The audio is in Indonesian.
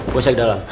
gua bisa ke dalam